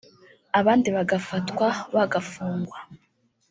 abandi bagafatwa bagafungwa